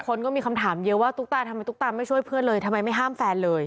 ก็มีคำถามเยอะว่าตุ๊กตาทำไมตุ๊กตาไม่ช่วยเพื่อนเลยทำไมไม่ห้ามแฟนเลย